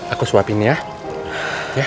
aku suapin ya